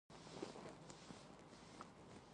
جعده بن هبیره خراسان ته واستاوه.